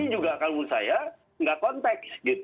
ini juga kalau menurut saya nggak konteks